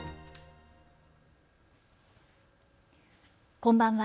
こんばんは。